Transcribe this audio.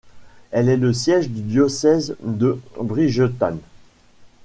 Elle est le siège du diocèse de Bridgetown.